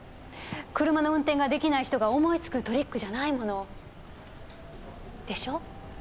車の運転ができない人が思いつくトリックじゃないもの。でしょう？